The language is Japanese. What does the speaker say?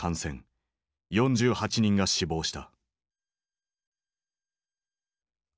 ４８人が死亡した。